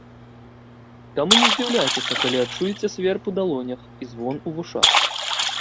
Таму не здзіўляйцеся, калі адчуеце сверб у далонях і звон у вушах.